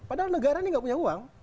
padahal negara ini gak punya uang